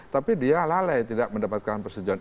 tapi dia lalai tidak mendapatkan persetujuan